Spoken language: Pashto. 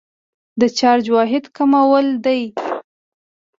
د چارج واحد کولم دی.